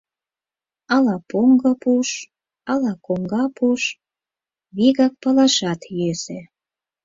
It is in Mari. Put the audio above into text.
Ала поҥго пуш, ала коҥга пуш — вигак палашат йӧсӧ.